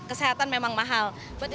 kesehatan memang mahal